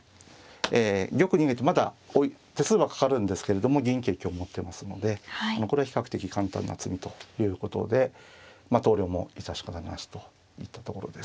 え玉逃げてまだ手数はかかるんですけれども銀桂香持ってますのでこれは比較的な簡単な詰みということで投了も致し方なしといったところです。